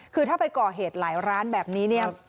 คือถ้าไปก่อเหตุหลายร้านแบบนี้เนี่ย